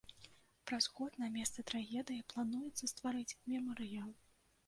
Праз год на месцы трагедыі плануецца стварыць мемарыял.